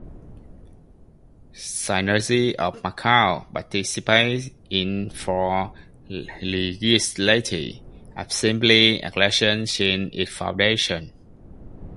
Synergy of Macao participated in four Legislative Assembly elections since its foundation.